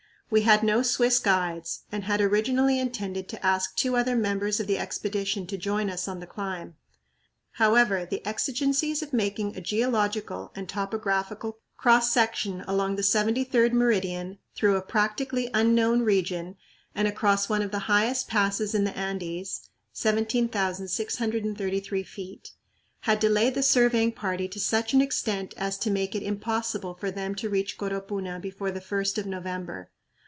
We had no Swiss guides, and had originally intended to ask two other members of the Expedition to join us on the climb. However, the exigencies of making a geological and topographical cross section along the 73d meridian through a practically unknown region, and across one of the highest passes in the Andes (17,633 ft.), had delayed the surveying party to such an extent as to make it impossible for them to reach Coropuna before the first of November.